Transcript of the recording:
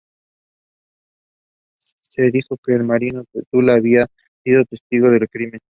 Se dijo que el marido de Tula había sido testigo del crimen.